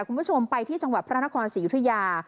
คุณผู้ชมไปที่จังหวัดพระนครศรียุธยา